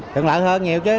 thường lợi hơn nhiều chứ